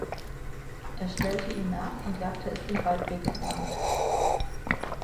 Er stellte ihm nach und jagte es den Waldweg entlang.